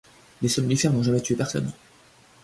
Les somnifères n'ont jamais tué personne.